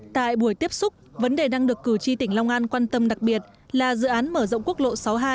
tại buổi tiếp xúc vấn đề đang được cử tri tỉnh long an quan tâm đặc biệt là dự án mở rộng quốc lộ sáu mươi hai